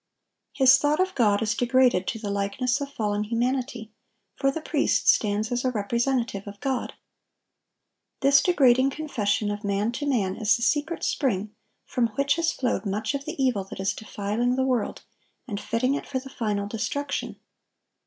His thought of God is degraded to the likeness of fallen humanity; for the priest stands as a representative of God. This degrading confession of man to man is the secret spring from which has flowed much of the evil that is defiling the world, and fitting it for the final destruction.